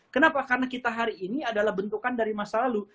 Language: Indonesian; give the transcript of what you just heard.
kenapa karena kita hari ini adalah bentukan dari masa lalu